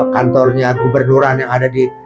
kantornya gubernuran yang ada di